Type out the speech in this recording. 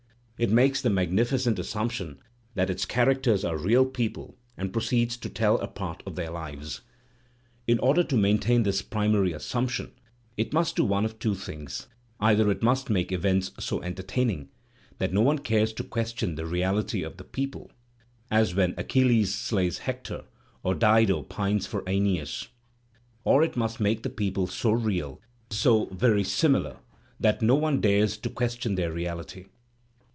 It makes the magnificent assumption that its characters are real people and proceeds to tell a part of their lives. In order to maintain this primary assumption, it must do one of two things: either it must make events so entertaining that no one cares to question the reaUty of the people (as when Achilles slays Hector or Dido pines for Aeneas); or it must make the people so real, so verisimilar, that no one dares to question their reality.